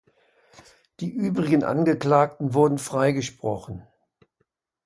Die übrigen Angeklagten wurden freigesprochen.